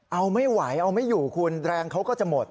เอาไม่ไหวเอาไม่อยู่คุณแรงเขาก็จะหมด